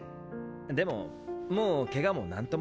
でももうケガも何ともないし。